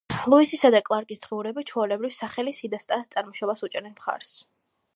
ლუისისა და კლარკის დღიურები ჩვეულებრივ, სახელის ჰიდატსა წარმოშობას უჭერენ მხარს.